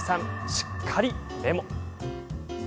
しっかりメモ。